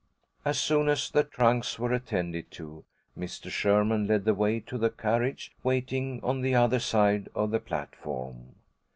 As soon as the trunks were attended to, Mr. Sherman led the way to the carriage, waiting on the other side of the platform.